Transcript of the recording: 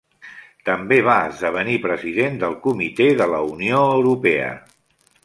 També va esdevenir president del Comitè de la Unió Europea.